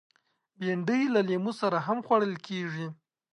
بېنډۍ له لیمو سره هم خوړل کېږي